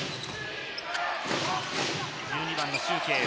１２番のシュウ・ケイウ。